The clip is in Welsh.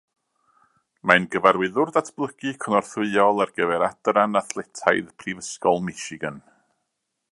Mae'n Gyfarwyddwr Datblygu Cynorthwyol ar gyfer Adran Athletaidd Prifysgol Michigan.